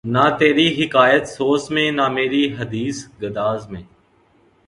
نہ تری حکایت سوز میں نہ مری حدیث گداز میں